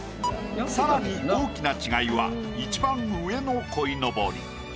さらに大きな違いは一番上の鯉のぼり。